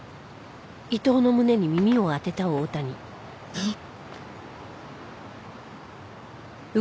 えっ。